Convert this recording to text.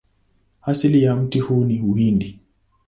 Asili ya mti huu ni Uhindi.